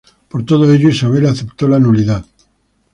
Por todo ello, Isabel aceptó la nulidad.